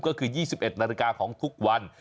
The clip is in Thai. ก็คือ๒๑นาฬิกาของทุกวัน